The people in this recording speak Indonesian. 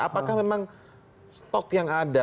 apakah memang stok yang ada